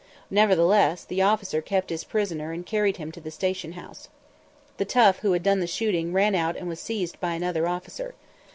Nevertheless, the officer kept his prisoner and carried him to the station house. The tough who had done the shooting ran out and was seized by another officer.